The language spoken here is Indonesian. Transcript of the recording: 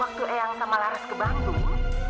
waktu eyang sama laras ke bandung